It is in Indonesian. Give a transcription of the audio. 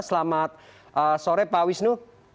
selamat sore pak wisnu